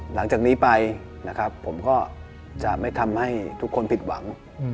หลังจากนี้ไปนะครับผมก็จะไม่ทำให้ทุกคนผิดหวัง